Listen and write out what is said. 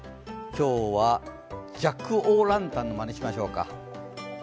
今日はジャック・オー・ランタンのまねしましょうか。